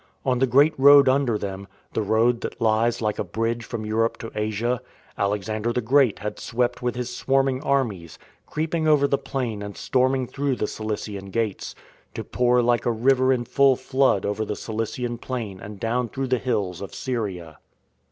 On the Great Road under them — the road that lies like a bridge from Europe to Asia — Alexander the Great had swept with his swarming armies, creeping over the plain and storming through the Cilician Gates, to pour like a river in full flood over the Cilician Plain and down through the hills of Syria.